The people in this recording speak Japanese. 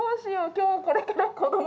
今日これから子ども